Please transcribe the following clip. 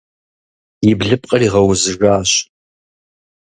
И блыпкъыр игъэузыжащ.